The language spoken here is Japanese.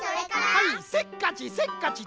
はいせっかちせっかち